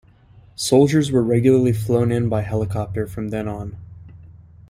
Soldiers were regularly flown in by helicopter from then on.